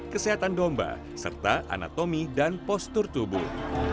kesehatan domba serta anatomi dan postur tubuh